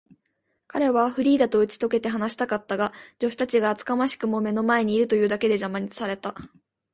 彼はフリーダとうちとけて話したかったが、助手たちが厚かましくも目の前にいるというだけで、じゃまされた。